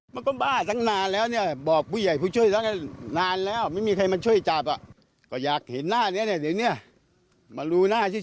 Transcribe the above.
มันก็บ้าตั้งนานแล้วเนี่ยบอกผู้ใหญ่ผู้ช่วยสักนานแล้วไม่มีใครมาช่วยจับอ่ะก็อยากเห็นหน้านี้เนี่ยเดี๋ยวเนี่ยมารู้หน้าที่